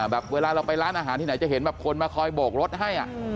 เวลาเราไปร้านอาหารที่ไหนจะเห็นแบบคนมาคอยโบกรถให้